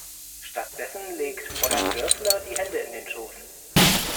Stattdessen legt Fräulein Dörfler die Hände in den Schoß.